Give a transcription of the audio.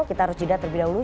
kita harus jeda terlebih dahulu